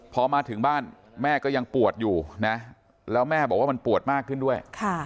พอมาถึงบ้านแม่ก็ยังปวดอยู่นะแล้วแม่บอกว่ามันปวดมากขึ้นด้วย